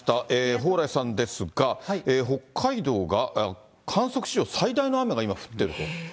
蓬莱さんですが、北海道が観測史上最大の雨が今、降っていると。